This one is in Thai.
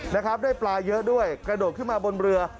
นะครับได้ปลาเยอะด้วยกระโดดขึ้นมาบนเรือ